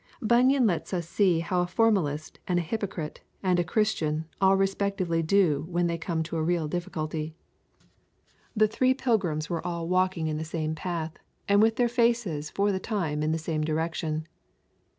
Bunyan lets us see how a formalist and a hypocrite and a Christian all respectively do when they come to a real difficulty. The three pilgrims were all walking in the same path, and with their faces for the time in the same direction.